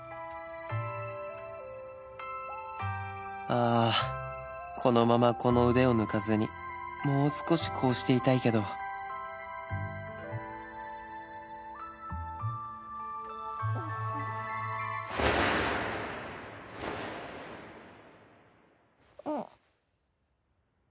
ああこのままこの腕を抜かずにもう少しこうしていたいけどん。